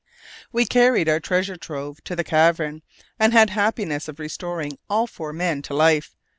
We carried our treasure trove to the cavern, and had the happiness of restoring all four men to life.